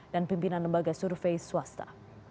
dan pimpinan lembaga survei swasta